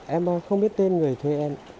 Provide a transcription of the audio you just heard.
em không biết tên người thuê em